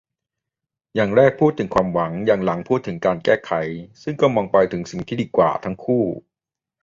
อย่างแรกพูดถึงความหวัง อย่างหลังพูดถึงการแก้ไข - ซึ่งก็มองไปถึงสิ่งที่ดีกว่าทั้งคู่